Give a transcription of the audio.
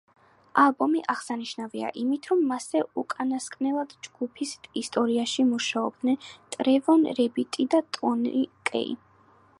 ალბომი აღსანიშნავია იმით, რომ მასზე უკანასკნელად ჯგუფის ისტორიაში მუშაობდნენ ტრევორ რებინი და ტონი კეი.